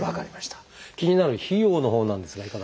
気になる費用のほうなんですがいかがでしょう？